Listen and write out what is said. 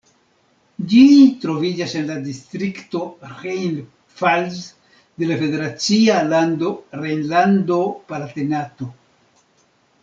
Ĝi troviĝas en la distrikto Rhein-Pfalz de la federacia lando Rejnlando-Palatinato.